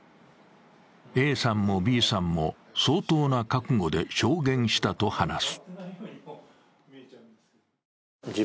ＡさんもＢさんも相当な覚悟で証言したと話す。